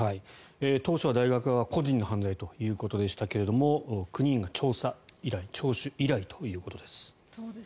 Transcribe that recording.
当初は大学側は個人の犯罪ということでしたが９人が調査依頼聴取依頼ということです。